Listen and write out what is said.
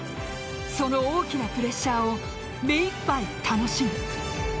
その大きなプレッシャーをめいっぱい楽しむ。